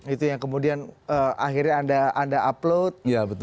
itu yang kemudian akhirnya anda upload